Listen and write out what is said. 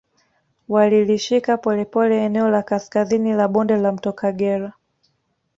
Walilishika polepole eneo la kaskazini la bonde la mto Kagera